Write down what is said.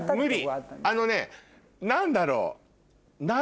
あのね何だろう？